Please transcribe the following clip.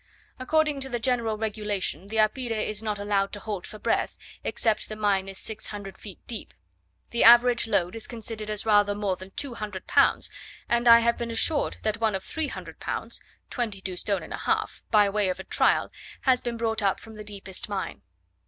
According to the general regulation, the apire is not allowed to halt for breath, except the mine is six hundred feet deep. The average load is considered as rather more than 200 pounds, and I have been assured that one of 300 pounds (twenty two stone and a half) by way of a trial has been brought up from the deepest mine!